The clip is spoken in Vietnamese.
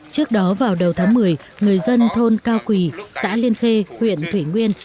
trước đó vào đầu tháng một mươi người dân thôn cao quỳ xã liên khê huyện thủy nguyên